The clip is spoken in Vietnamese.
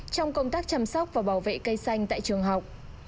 trong công tác chăm sóc và bảo vệ cây xanh tại trường học